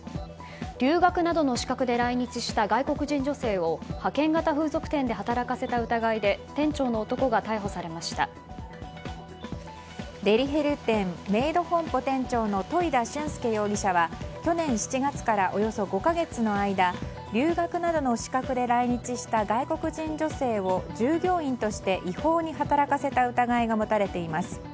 留学などの資格で来日した外国人女性を派遣型風俗店で働かせた疑いでデリヘル店、メイド本舗店長の樋田俊介容疑者は去年７月からおよそ５か月の間留学などの資格で来日した外国人女性を従業員として違法に働かせた疑いが持たれています。